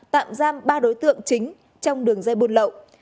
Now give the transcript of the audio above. tạm giam ba đối tượng chính trong đường dây buôn lậu